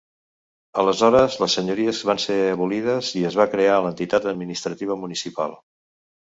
Aleshores les senyories van ser abolides i es va crear l'entitat administrativa municipal.